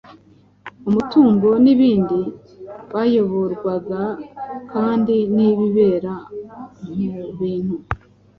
amatungo n’ibindi. Bayoborwaga kandi n’ibibera mu bintu